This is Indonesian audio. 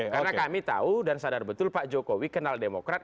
karena kami tahu dan sadar betul pak jokowi kenal demokrat